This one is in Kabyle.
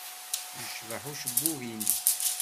Yecbeḥ ucebbub-nnek.